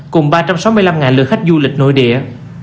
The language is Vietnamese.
cùng ba trăm sáu mươi năm lượt khách du lịch nội địa